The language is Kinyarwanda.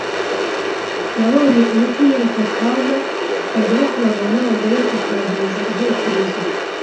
Nabonye umucyo unyereka akaga kagera ku bagabo n’abagore kakangiza intekerezo